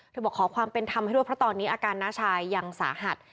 บอกขอความเป็นธรรมให้ด้วยเพราะตอนนี้อาการน้าชายยังสาหัส